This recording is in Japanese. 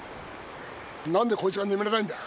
何でこいつが眠れないんだ。